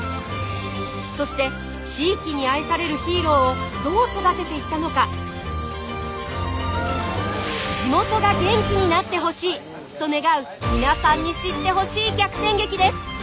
そして地域に愛されるヒーローをどう育てていったのか。と願う皆さんに知ってほしい逆転劇です。